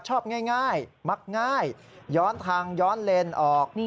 ชอบง่ายมักง่ายย้อนทางย้อนเลนออก